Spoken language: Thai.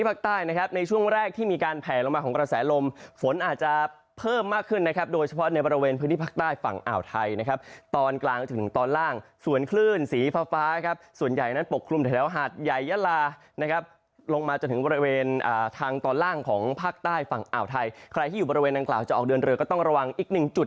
ฝนอาจจะเพิ่มมากขึ้นนะครับโดยเฉพาะในบริเวณพื้นที่ภาคใต้ฝั่งอ่าวไทยนะครับตอนกลางจนถึงตอนล่างส่วนคลื่นสีฟ้านะครับส่วนใหญ่นั้นปกคลุมแถวหาดใหญ่ยาลานะครับลงมาจนถึงบริเวณทางตอนล่างของภาคใต้ฝั่งอ่าวไทยใครที่อยู่บริเวณดังกล่าวจะออกเดือนเรือก็ต้องระวังอีกหนึ่งจุด